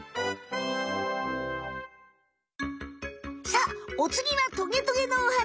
さあおつぎはトゲトゲのお花